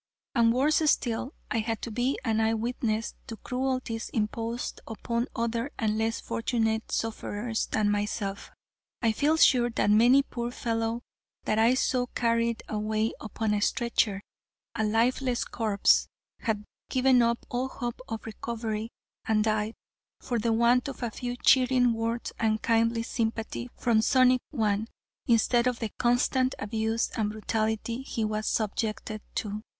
And worse still, I had to be an eye witness to cruelties imposed upon other and less fortunate sufferers than myself. I feel sure that many a poor fellow that I saw carried away upon a stretcher, a lifeless corpse, had given up all hope of recovery and died, for the want of a few cheering words and kindly sympathy from sonic one, instead of the constant abuse and brutality he was subjected to.